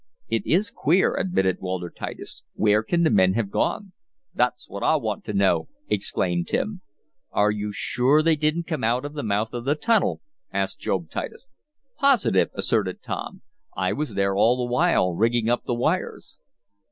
"It is queer," admitted Walter Titus. "Where can the men have gone?" "That's what I want to know!" exclaimed Tim. "Are you sure they didn't come out the mouth of the tunnel?" asked Job Titus. "Positive," asserted Tom. I was there all the while, rigging up the fires."